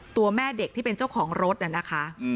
ตัวแม่เด็กที่เป็นเจ้าของรถน่ะนะคะ